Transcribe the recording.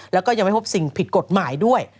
แล้วก็ยังไม่พบสิ่งผิดกฎหมายด้วย